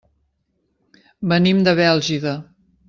Venim de Bèlgida.